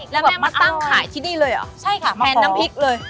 แล้วแบบมาตั้งขายที่นี่เลยเหรอใช่ค่ะแทนน้ำพริกเลย